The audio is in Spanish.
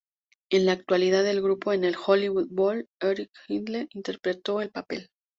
En la actuación del grupo en el Hollywood Bowl, Eric Idle interpretó el papel.